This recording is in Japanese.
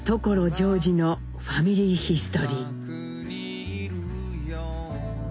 ジョージの「ファミリーヒストリー」。